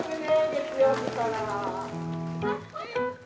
月曜日から。